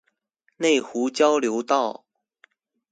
內湖交流道